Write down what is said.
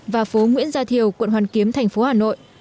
và phố nguyễn gia thiều quận hoàn kiếm thành phố hà nội